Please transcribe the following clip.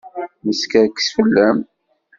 Neskerkes fell-am.